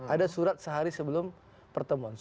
ada surat sehari sebelum pertemuan